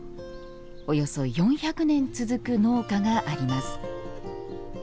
およそ４００年続く農家があります。